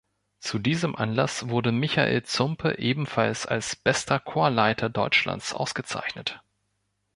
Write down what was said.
Zu diesem Anlass wurde Michael Zumpe ebenfalls als bester Chorleiter Deutschlands ausgezeichnet.